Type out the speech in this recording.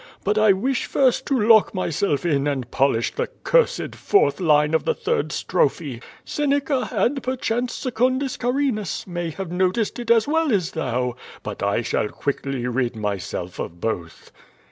"But I wish first to lock myself in and polish the cursed fourth line of the third strophe. Seneca, and, perchance, Secundus Carinus, may have noticed it as well as thou; but I shall quickly rid myself of both."